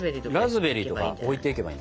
ラズベリーとか置いていけばいいんだな。